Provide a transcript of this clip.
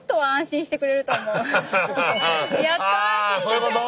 あそういうこと？